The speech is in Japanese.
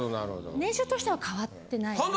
年収としては変わってないです。